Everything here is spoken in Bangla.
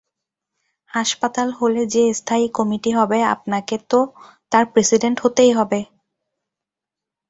হাসপাতাল হলে যে স্থায়ী কমিটি হবে আপনাকে তো তার প্রেসিডেন্ট হতেই হবে।